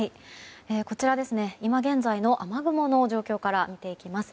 こちら、今現在の雨雲の状況から見ていきます。